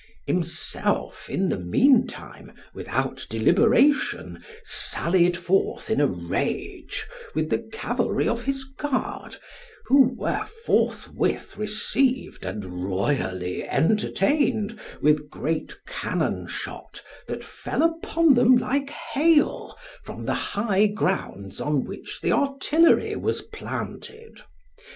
Himself in the mean time, without deliberation, sallied forth in a rage with the cavalry of his guard, who were forthwith received and royally entertained with great cannon shot that fell upon them like hail from the high grounds on which the artillery was planted.